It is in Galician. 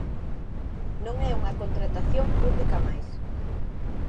Non é unha contratación pública máis.